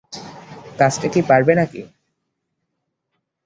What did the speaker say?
কাজটা কি পারবে নাকি?